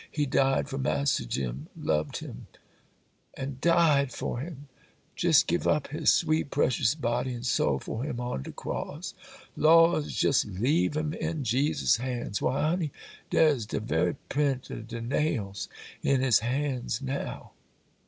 He died for Mass'r Jim,—loved him and died for him,—jes' give up His sweet, precious body and soul for him on de cross! Laws, jes' leave him in Jesus' hands! Why, honey, dar's de very print o' de nails in his hands now!